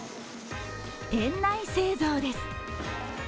店内製造です。